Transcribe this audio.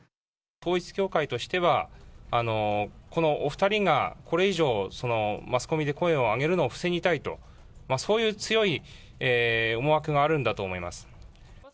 統一教会としては、このお２人がこれ以上マスコミで声を上げるのを防ぎたいと、そういう強い思惑があるんだと思います。